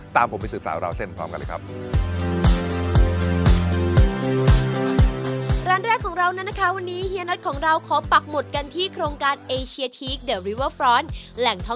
ตามผมไปสื่อสารกับเราเส้นพร้อมกันเลยครับ